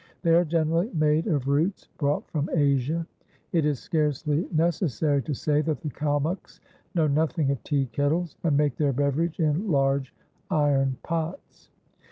They are generally made of roots brought from Asia. It is scarcely necessary to say that the Kalmuks know nothing of tea kettles, and make their beverage in large iron pots.